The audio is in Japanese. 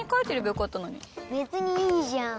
別にいいじゃん。